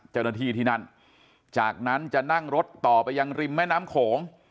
เจ้าหน้าที่ที่นั่นจากนั้นจะนั่งรถต่อไปยังริมแม่น้ำโขง